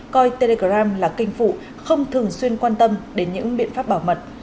coi telegram là kinh phụ không thường xuyên quan tâm đến những biện pháp bảo mật